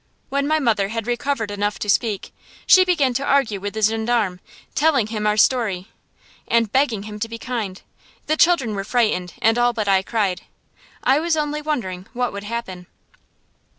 When my mother had recovered enough to speak, she began to argue with the gendarme, telling him our story and begging him to be kind. The children were frightened and all but I cried. I was only wondering what would happen.